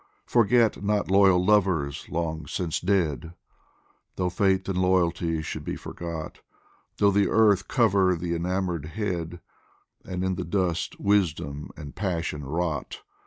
Forget not loyal lovers long since dead, Though faith and loyalty should be forgot, Though the earth cover the enamoured head, And in the dust wisdom and passion rot.